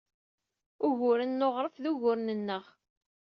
Uguren n uɣref d uguren-nneɣ.